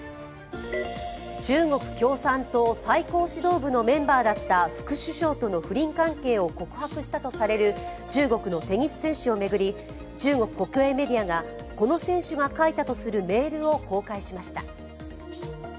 中国共産党最高指導部のメンバーだった副首相との不倫関係を告白したとされる中国のテニス選手を巡り、中国国営メディアがこの選手が書いたとするメールを公開しました。